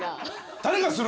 誰がする！